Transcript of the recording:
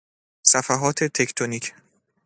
صفحات تکتونیک